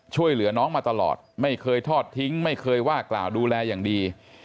ช่วยเหลือน้องมาตลอดไม่เคยทอดทิ้งไม่เคยว่ากล่าวดูแลอย่างดี